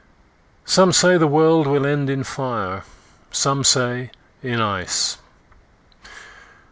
SOME say the world will end in fire, Some say in ice.